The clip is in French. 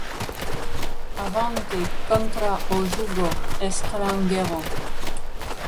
Avante, contra o jugo estrangeiro!